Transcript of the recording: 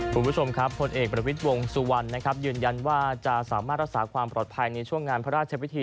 คุณผู้ชมครับผลเอกประวิทย์วงสุวรรณนะครับยืนยันว่าจะสามารถรักษาความปลอดภัยในช่วงงานพระราชพิธี